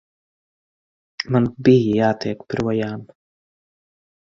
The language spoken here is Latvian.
Man bija jātiek projām.